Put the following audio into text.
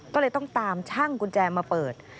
ก็เลยต้องตามช่างกุญแจมาเปิด